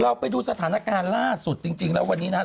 ไปดูสถานการณ์ล่าสุดจริงแล้ววันนี้นะครับ